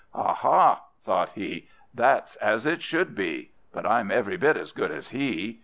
"Aha!" thought he, "that's as it should be! But I'm every bit as good as he!"